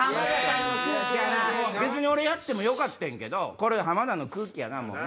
別に俺やってもよかってんけどこれ浜田の空気やなもう。